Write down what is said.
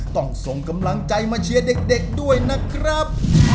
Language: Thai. ส่งกำลังใจมาเชียร์เด็กด้วยนะครับ